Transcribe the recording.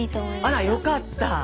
あらよかった。